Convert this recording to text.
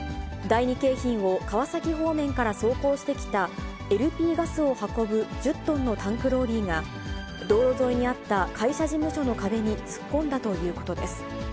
第二京浜を川崎方面から走行してきたＬＰガスを運ぶ１０トンのタンクローリーが、道路沿いにあった会社事務所の壁に突っ込んだということです。